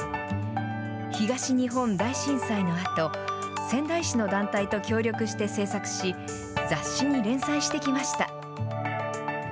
東日本大震災のあと、仙台市の団体と協力して制作し、雑誌に連載してきました。